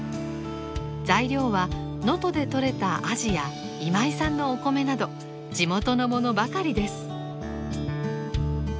材料は能登でとれたアジや今井さんのお米など地元のものばかりです。